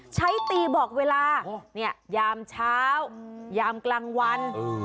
ใช้ตีบอกเวลายามเช้ายามกลางวัน